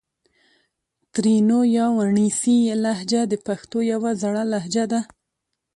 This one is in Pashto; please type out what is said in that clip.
ترینو یا وڼېڅي لهجه د پښتو یو زړه لهجه ده